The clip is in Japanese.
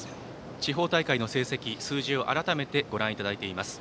地方大会の成績、数字を改めて、ご覧いただいています。